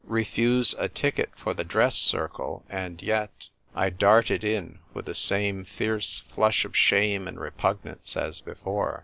Refuse a ticket for the dress circle, and yet I darted in, with the same fierce flush of shame and repugnance as before.